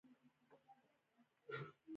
ایا ستاسو کتابونه لوستل شوي نه دي؟